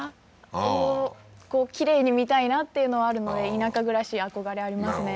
ああーきれいに見たいなっていうのはあるので田舎暮らし憧れありますね